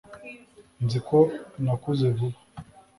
nzi ko nakuze vuba